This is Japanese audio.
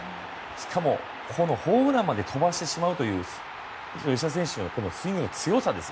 しかも、このホームランまで飛ばしてしまうという吉田選手のスイングの強さ。